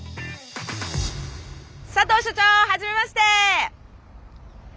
佐藤所長はじめまして！